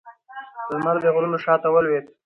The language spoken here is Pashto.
لمر د غرونو شا ته ولوېد